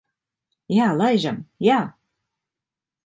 Jā, laižam. Jā.